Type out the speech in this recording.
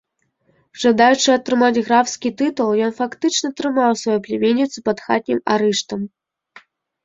Жадаючы атрымаць графскі тытул, ён фактычна трымаў сваю пляменніцу пад хатнім арыштам.